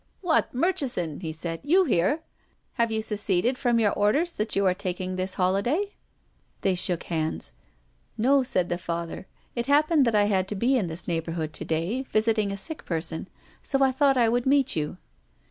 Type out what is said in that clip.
*' What, Murchison !" he said. " You here ! Have you seceded from your order that you are taking this holiday ?" They shook hands. " No," said the Father. " It happened that I had to be in this neighbourhood to day, visiting a sick person. So I thought I would meet you.